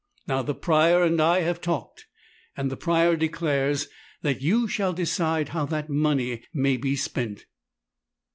Now the Prior and I have talked, and the Prior declares that you shall decide how that money may be spent."